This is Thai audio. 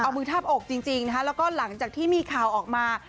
เอามือทาบอกจริงนะคะแล้วก็หลังจากที่มีข่าวออกมา